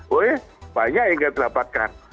wih banyak yang tidak dapatkan